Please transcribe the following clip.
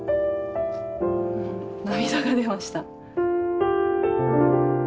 うん涙が出ました。